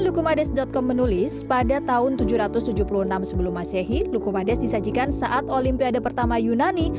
lukumades com menulis pada tahun tujuh ratus tujuh puluh enam sebelum masehi lucumades disajikan saat olimpiade pertama yunani